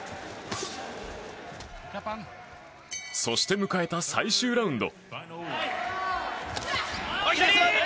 そして、迎えた最終ラウンド。